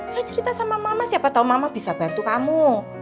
kalau cerita sama mama siapa tahu mama bisa bantu kamu